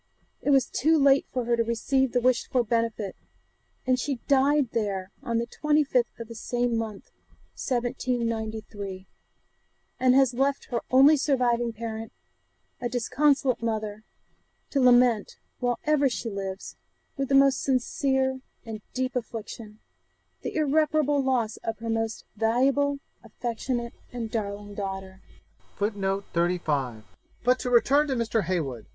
it was too late for her to receive the wished for benefit, and she died there on the 25th of the same month 1793, and has left her only surviving parent a disconsolate mother, to lament, while ever she lives, with the most sincere and deep affliction, the irreparable loss of her most valuable, affectionate, and darling daughter.' But to return to Mr. Heywood.